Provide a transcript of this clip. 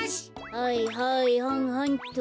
はいはいはんはんと。